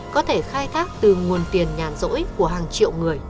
có thể khai thác từ nguồn tiền nhàn rỗi của hàng triệu người